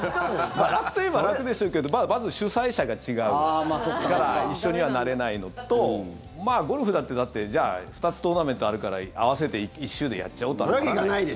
楽といえば楽でしょうけどまず、主催者が違うから一緒にはなれないのとゴルフだってじゃあ２つトーナメントあるから合わせて１週でやっちゃおうとはならない。